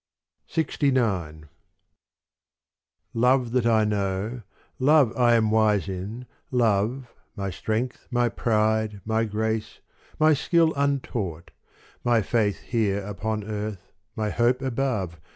LXIX Love that I know, love I am wise in, love My strength, my pride, my grace, my skill untaught, My faith here upon earth, my hope above.